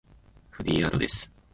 フリーアドレス